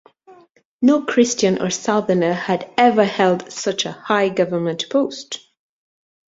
No Christian or southerner had ever held such a high government post.